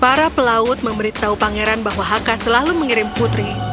para pelaut memberitahu pangeran bahwa haka selalu mengirim putri